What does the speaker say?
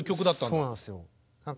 そうなんですよ。